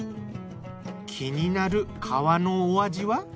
気になる皮のお味は？